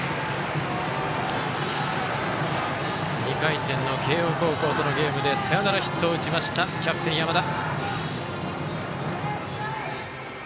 ２回戦の慶応高校とのゲームでサヨナラヒットを打ちましたキャプテン、山田。